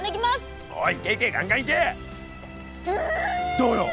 どうよ？